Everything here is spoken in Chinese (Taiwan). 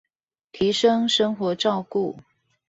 提升生活照顧